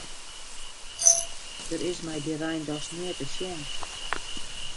Der is mei dy rein dochs neat te sjen.